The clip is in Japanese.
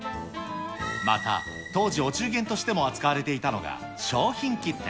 また当時、お中元としても扱われていたのが、商品切手。